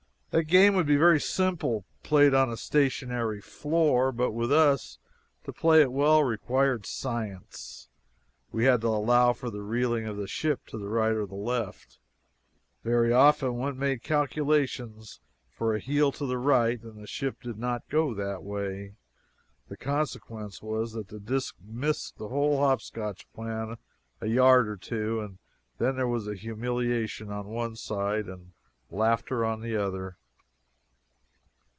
That game would be very simple played on a stationary floor, but with us, to play it well required science. We had to allow for the reeling of the ship to the right or the left. Very often one made calculations for a heel to the right and the ship did not go that way. The consequence was that that disk missed the whole hopscotch plan a yard or two, and then there was humiliation on one side and laughter on the other.